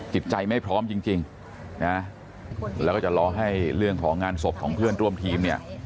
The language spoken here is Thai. จิตใจไม่พร้อมจริงนะแล้วก็จะรอให้เรื่องของงานศพของเพื่อนร่วมทีมเนี่ย